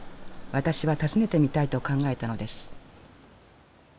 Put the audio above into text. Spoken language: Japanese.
私は尋ねてみたいと考えたのです。